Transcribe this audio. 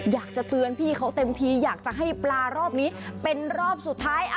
อยากจะเตือนพี่เขาเต็มทีอยากจะให้ปลารอบนี้เป็นรอบสุดท้าย